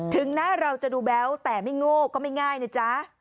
ถึงหน้าเราจะดูแบ๊วแต่ไม่โง่ก็ไม่ง่ายนะจ๊ะ